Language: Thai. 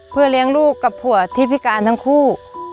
เพื่อเลี้ยงลูกกับผัวที่พิการทั้งคู่